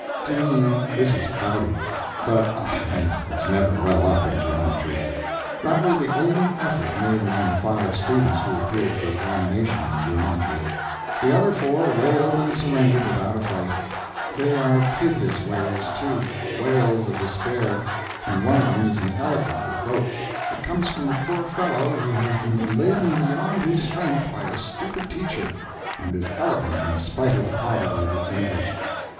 To me this is cloudy, but I was never well up in geometry. That was the only effort made among the five students who appeared for examination in geometry; the other four wailed and surrendered without a fight. They are piteous wails, too, wails of despair; and one of them is an eloquent reproach; it comes from a poor fellow who has been laden beyond his strength by a stupid teacher, and is eloquent in spite of the poverty of its English.